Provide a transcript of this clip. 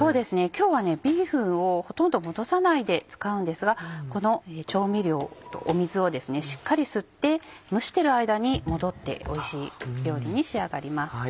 今日はビーフンをほとんど戻さないで使うんですがこの調味料と水をしっかり吸って蒸してる間に戻っておいしい料理に仕上がります。